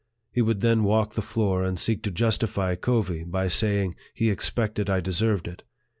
He would then walk the floor, and seek to justify Covey by saying he expected I deserved it.